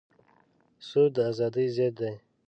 سود د ازادۍ ضد دی.